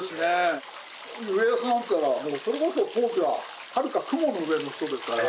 家康なんかもうそれこそ当時ははるか雲の上の人ですから。